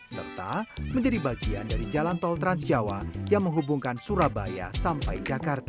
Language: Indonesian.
serta menjadi bagian dari jalan tol transjawa yang menghubungkan surabaya sampai jakarta